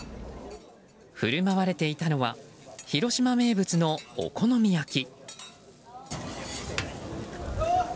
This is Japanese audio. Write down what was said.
振る舞われていたのは広島名物のお好み焼き。